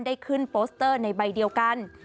ได้ขึ้นโปสเตอร์ในใบเดียวกัน